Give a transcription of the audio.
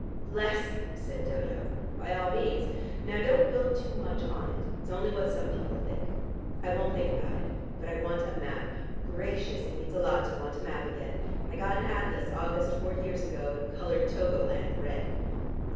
"Bless them!" said Dodo. "By all means. Now don't build too much on it. It's only what some people think." "I won't think about it. But I want a map. Gracious, it means a lot to want a map again. I got an atlas August four years ago and coloured Togoland red."